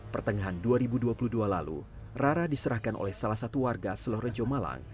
pertengahan dua ribu dua puluh dua lalu rara diserahkan oleh salah satu warga selorejo malang